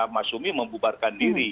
masyumi membubarkan diri